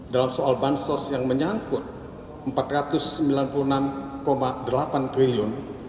dalam soal bansos yang menyangkut rp empat ratus sembilan puluh enam delapan triliun